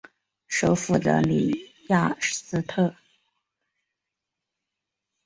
首府的里雅斯特。